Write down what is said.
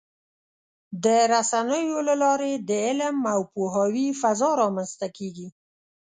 د رسنیو له لارې د علم او پوهاوي فضا رامنځته کېږي.